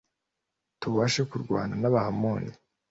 tubashe kurwana n'abahamoni